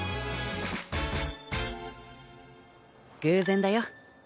「偶然だよ。